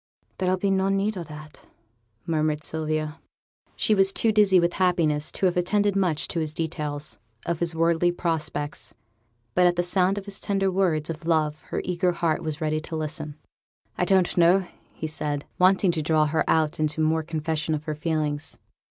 'There'll be no need o' that,' murmured Sylvia. She was too dizzy with happiness to have attended much to his details of his worldly prospects, but at the sound of his tender words of love her eager heart was ready to listen. 'I don't know,' said he, wanting to draw her out into more confession of her feelings.